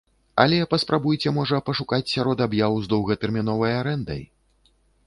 Але паспрабуйце можа пашукаць сярод аб'яў з доўгатэрміновай арэндай.